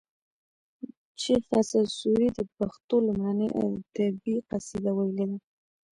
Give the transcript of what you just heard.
شیخ اسعد سوري د پښتو لومړنۍ ادبي قصیده ویلې ده